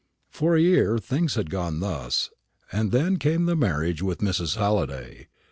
For a year things had gone on thus, and then came the marriage with Mrs. Halliday.